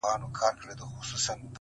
مصیبت دي پر وېښتانو راوستلی؟!